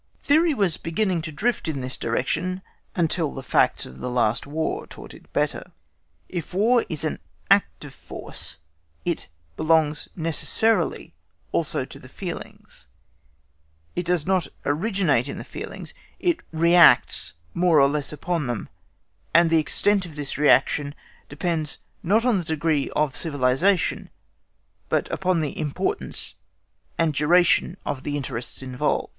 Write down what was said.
Theory was beginning to drift in this direction until the facts of the last War(*) taught it better. If War is an act of force, it belongs necessarily also to the feelings. If it does not originate in the feelings, it reacts, more or less, upon them, and the extent of this reaction depends not on the degree of civilisation, but upon the importance and duration of the interests involved.